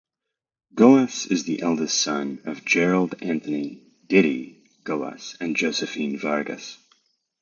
Gullas is the eldest son of Gerald Anthony "Didi" Gullas and Josephine Vargas.